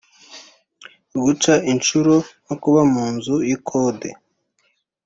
guca incuro no kuba mu nzu y’ikode